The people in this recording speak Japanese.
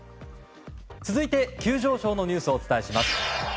続いて、急上昇のニュースをお伝えします。